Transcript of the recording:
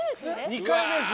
２回目ですよ。